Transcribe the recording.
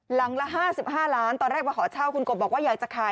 หลังละ๕๕ล้านตอนแรกมาขอเช่าคุณกบบอกว่าอยากจะขาย